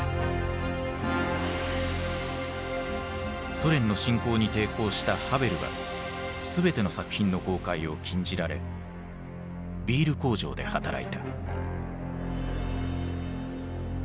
ソ連の侵攻に抵抗したハヴェルは全ての作品の公開を禁じられビール工場で働いた。